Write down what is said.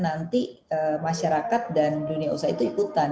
nanti masyarakat dan dunia usaha itu ikutan